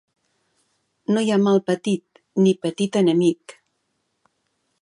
No hi ha mal petit, ni petit enemic.